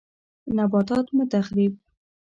نباتات مه تخریب